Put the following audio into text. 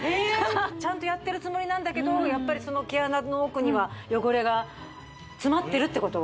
ちゃんとやってるつもりなんだけどやっぱりその毛穴の奥には汚れが詰まってるってこと？